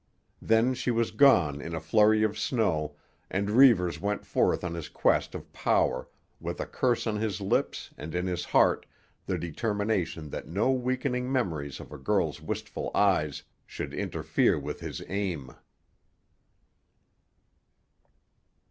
Then she was gone in a flurry of snow, and Reivers went forth on his quest of power with a curse on his lips and in his heart the determination that no weakening memories of a girl's wistful eyes should interfere with his aim.